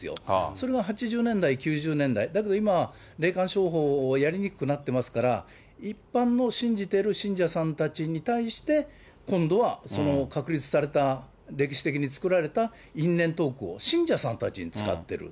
それが８０年代、９０年代、だけど今は、霊感商法やりにくくなってますから、一般の信じてる信者さんたちに対して、今度は確立された、歴史的に作られた因縁を信者さんたちに使ってる。